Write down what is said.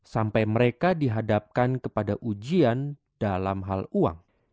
sampai mereka dihadapkan kepada ujian dalam hal uang